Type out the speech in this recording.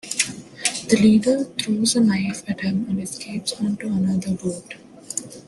The leader throws a knife at him and escapes onto another boat.